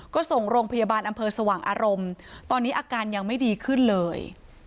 ก็ส่งโรงพยาบาลอำเภอสว่างอารมณ์ตอนนี้อาการยังไม่ดีขึ้นเลย